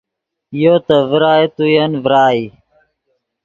یو تے ڤرائے تو ین ڤرائی